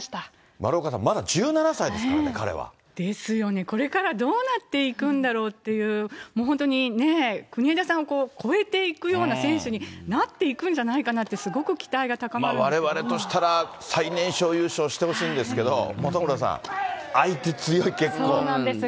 丸岡さん、ですよね、これからどうなっていくんだろうっていう、本当にね、国枝さんを越えていくような選手になっていくんじゃないかなって、われわれとしたら、最年少優勝してほしいんですけれども、本村さん、相手強い、そうなんです。